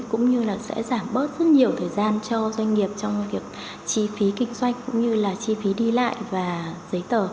cũng như là sẽ giảm bớt rất nhiều thời gian cho doanh nghiệp trong việc chi phí kinh doanh cũng như là chi phí đi lại và giấy tờ